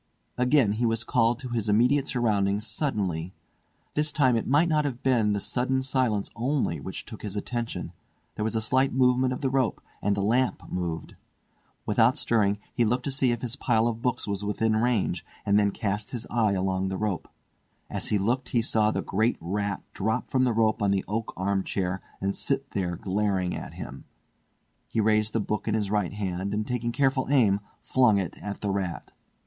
Again he was called to his immediate surroundings suddenly. This time it might not have been the sudden silence only which took his attention; there was a slight movement of the rope, and the lamp moved. Without stirring, he looked to see if his pile of books was within range, and then cast his eye along the rope. As he looked he saw the great rat drop from the rope on the oak arm chair and sit there glaring at him. He raised a book in his right hand, and taking careful aim, flung it at the rat.